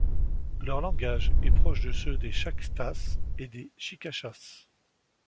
Leur langage est proche de ceux des Chactas et des Chicachas.